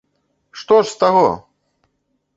Што ж з таго!